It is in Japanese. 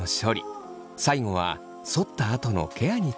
最後はそったあとのケアについて。